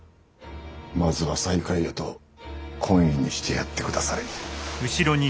まずは西海屋と懇意にしてやってくだされ。